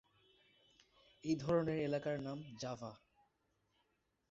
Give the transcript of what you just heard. এই ধরনের এলাকার নাম জাভা।